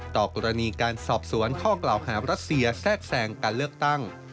ต่อกรณีการสอบสวนข้อกล่าวหารัสเซียแทรกแสงการเลือกตั้ง